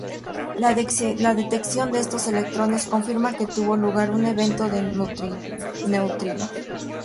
La detección de estos electrones confirma que tuvo lugar un evento de neutrinos.